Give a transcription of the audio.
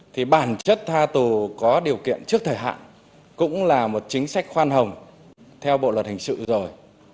thì bản chất tha tù có điều kiện trước thời hạn cũng là một chính sách khoan hồng theo bộ luật hình sự rồi